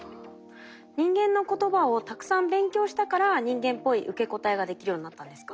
人間の言葉をたくさん勉強したから人間っぽい受け答えができるようになったんですか？